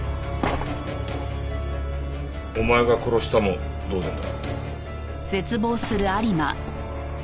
お前が殺したも同然だ。